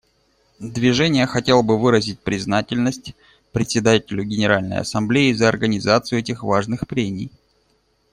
Движение хотело бы выразить признательность Председателю Генеральной Ассамблеи за организацию этих важных прений.